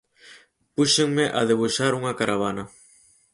Púxenme a debuxar unha caravana.